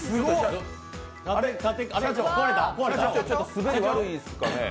滑り悪いですかね？